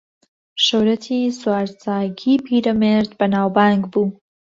شۆرەتی سوارچاکیی پیرەمێرد بەناوبانگ بوو